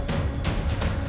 kita tidak akan berhianat